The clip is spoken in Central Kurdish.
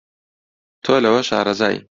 تۆ لەوە شارەزای